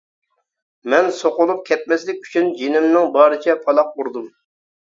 مەن سوقۇلۇپ كەتمەسلىك ئۈچۈن جېنىمنىڭ بارىچە پالاق ئۇردۇم.